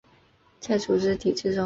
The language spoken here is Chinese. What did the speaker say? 在组织体制中